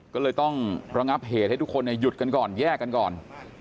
ก็เลยต้องระงับเหตุให้ทุกคนหยุดกันก่อนแยกกันก่อน